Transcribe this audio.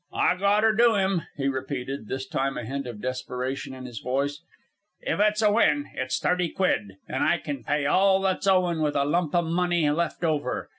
"I gotter do 'im," he repeated, this time a hint of desperation in his voice. "If it's a win, it's thirty quid an' I can pay all that's owin', with a lump o' money left over.